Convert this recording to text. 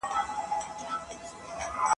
درلېږل چي مي نظمونه هغه نه یم !.